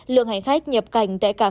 lượng hành khách nhập cảnh tại cảng